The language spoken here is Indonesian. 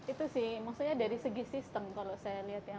itu sih maksudnya dari segi sistem kalau saya lihat ya